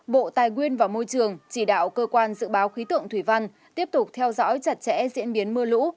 bộ tài nguyên và môi trường chỉ đạo cơ quan dự báo khí tượng thủy văn tiếp tục theo dõi chặt chẽ diễn biến mưa lũ